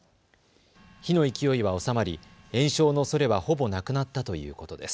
火の勢いは収まり延焼のおそれはほぼなくなったということです。